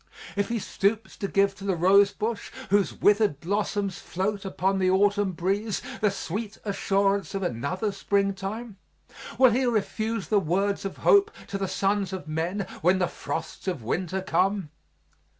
If he stoops to give to the rose bush, whose withered blossoms float upon the autumn breeze, the sweet assurance of another springtime, will He refuse the words of hope to the sons of men when the frosts of winter come?